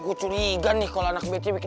semua syahsyiah aja gitu aja ya kan